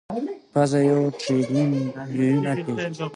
پزه یو ټریلیون بویونه پېژني.